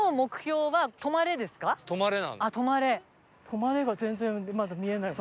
「止まれ」が全然まだ見えないわね。